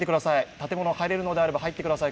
建物は入れるのであれば入ってください